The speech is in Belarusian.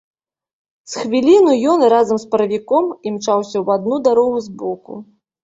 З хвіліну ён, разам з паравіком, імчаўся ў адну дарогу збоку.